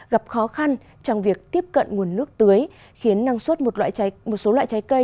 gặp khó khăn trong việc tiếp cận nguồn nước tưới khiến năng suất một số loại trái cây